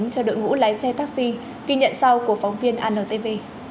cho đội ngũ lái xe taxi ghi nhận sau của phóng viên antv